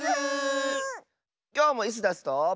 きょうもイスダスと。